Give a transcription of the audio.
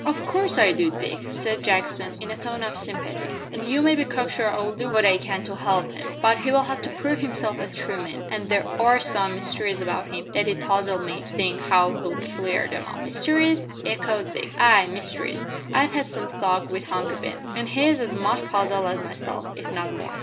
"Of course I do, Dick," said Jackson, in a tone of sympathy; "an' you may be cock sure I'll do what I can to help 'im. But he'll have to prove himself a true man, an' there are some mysteries about him that it puzzles me to think how he'll clear 'em up." "Mysteries?" echoed Dick. "Ay, mysteries. I've had some talk wi' Hunky Ben, an' he's as much puzzled as myself, if not more."